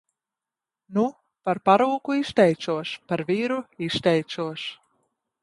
Nu? Par parūku izteicos, par viru izteicos!